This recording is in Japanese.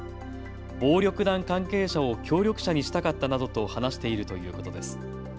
暴力団関係者を協力者にしたかったなどと話しているということです。